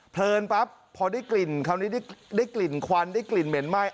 เลินปั๊บพอได้กลิ่นคราวนี้ได้กลิ่นควันได้กลิ่นเหม็นไหม้